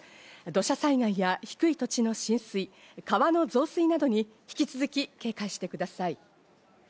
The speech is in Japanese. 土砂災害や低い土地の浸水、川の増水などに引き続き警戒してください。